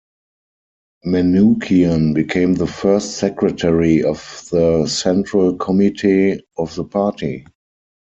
Manukian became the First Secretary of the Central Committee of the party.